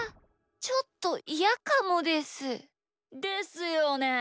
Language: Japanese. ちょっとイヤかもです。ですよね。